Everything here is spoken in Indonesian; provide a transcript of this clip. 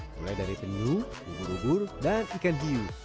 mulai dari penuh hubur hubur dan ikan hiu